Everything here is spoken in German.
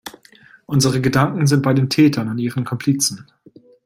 Unsere Gedanken sind bei den Tätern und ihren Komplizen.